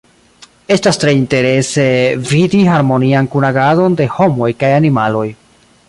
Estas tre interese vidi harmonian kunagadon de homoj kaj animaloj.